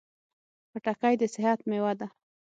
خټکی د صحت مېوه ده.